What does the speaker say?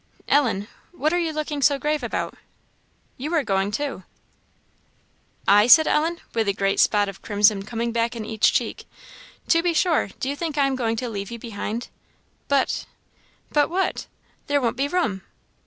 Ellen? what are you looking so grave about? you are going? too." "I?" said Ellen, a great spot of crimson coming in each cheek. "To be sure; do you think I am going to leave you behind?" "But" "But what?" "There won't be room."